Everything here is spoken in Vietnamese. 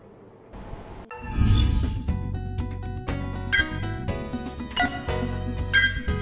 không phải đượciateetr liên kết